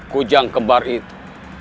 hujang kembar itu